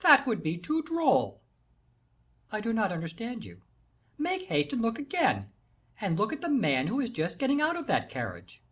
"That would be too droll." "I do not understand you." "Make haste and look again, and look at the man who is just getting out of that carriage."